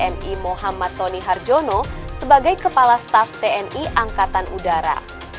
tni muhammad tony harjono sebagai kepala staff tni angkatan udara